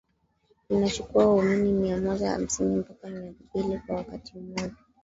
Linachukua waumini mia moja hamsini mpaka mia mbili kwa wakati mmoja